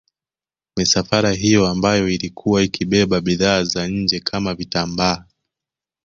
Misafara hiyo ambayo ilikuwa ikibeba bidhaa za nje kama vitambaa